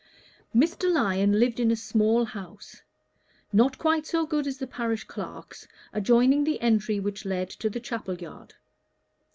Mr. Lyon lived in a small house, not quite so good as the parish clerk's, adjoining the entry which led to the Chapel Yard.